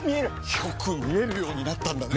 よく見えるようになったんだね！